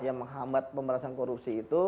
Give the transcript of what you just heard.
yang menghambat pemberasaan korupsi